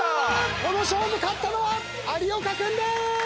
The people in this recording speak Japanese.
この勝負勝ったのは有岡君でーす！